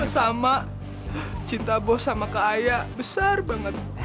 sama cinta bos sama ke ayah besar banget